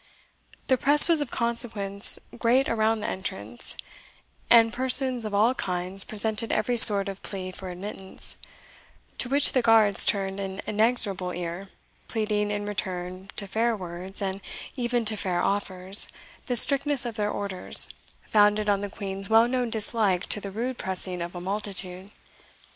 The press was of consequence great around the entrance, and persons of all kinds presented every sort of plea for admittance; to which the guards turned an inexorable ear, pleading, in return to fair words, and even to fair offers, the strictness of their orders, founded on the Queen's well known dislike to the rude pressing of a multitude.